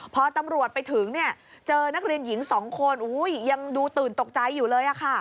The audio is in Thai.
พอตำรวจไปถึงเนี่ยเจอนักเรียนหญิง๒คนยังดูตื่นตกใจอยู่เลย